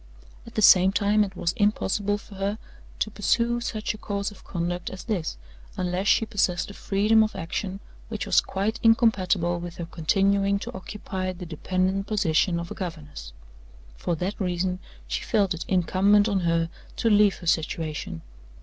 At the same time it was impossible for her to pursue such a course of conduct as this, unless she possessed a freedom of action which was quite incompatible with her continuing to occupy the dependent position of a governess. For that reason she felt it incumbent on her to leave her situation.